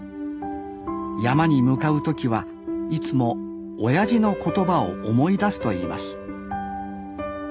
山に向かう時はいつもおやじの言葉を思い出すと言います